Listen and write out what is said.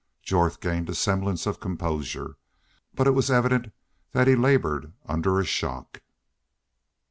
Jorth gained a semblance of composure. But it was evident that he labored under a shock.